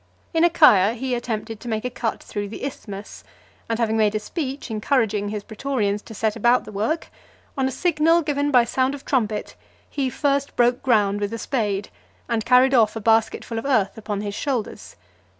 In Achaia, he attempted to make a cut through the Isthmus ; and, having made a speech encouraging his pretorians to set about the work, on a signal given by sound of trumpet, he first broke ground with a spade, and carried off a basket full of earth upon his shoulders.